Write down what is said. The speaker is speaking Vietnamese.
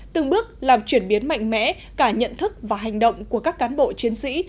từng bước làm chuyển biến mạnh mẽ cả nhận thức và hành động của các cán bộ chiến sĩ